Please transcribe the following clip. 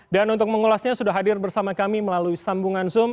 dan untuk mengulasnya sudah hadir bersama kami melalui sambungan zoom